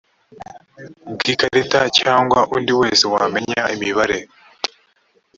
bw ikarita cyangwa undi wese wamenya imibare